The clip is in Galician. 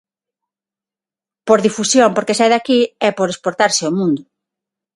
Por difusión, porque sae de aquí e por exportarse ao mundo.